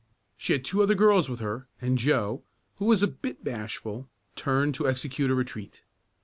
She had two other girls with her and Joe, who was a bit bashful, turned to execute a retreat.